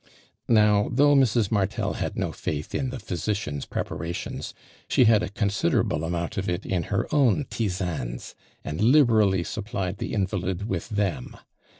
Now, though Mrs. Martel had no faith in the physician's preparations, she had a con siderable amount of it in her own tisannes, and liberally supplied the invalid with them.